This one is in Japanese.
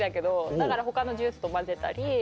だから他のジュースと混ぜたり。